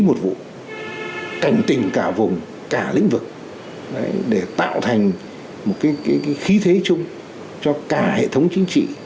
một vụ cảnh tình cả vùng cả lĩnh vực để tạo thành một cái khí thế chung cho cả hệ thống chính trị